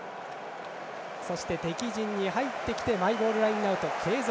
そして敵陣に入ってきてマイボールラインアウト継続。